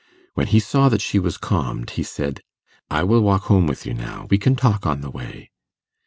When he saw that she was calmed, he said, 'I will walk home with you now; we can talk on the way.